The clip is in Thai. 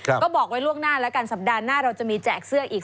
ก็บอกไว้ล่วงหน้าแล้วกันสัปดาห์หน้าเราจะมีแจกเสื้ออีก